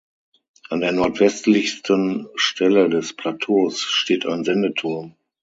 An der nordwestlichsten Stelle des Plateaus steht ein Sendeturm.